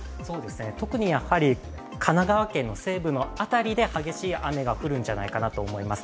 特に神奈川県の西部の辺りで激しい雨が降るんじゃないかなと思います。